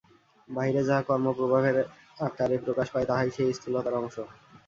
বাহিরে যাহা কর্মপ্রবাহের আকারে প্রকাশ পায়, তাহাই সেই স্থূলতর অংশ।